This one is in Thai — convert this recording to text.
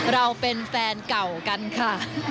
เราเป็นแฟนเก่ากันค่ะ